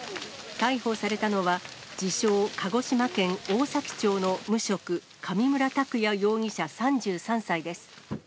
逮捕されたのは、自称、鹿児島県大崎町の無職、上村卓也容疑者３３歳です。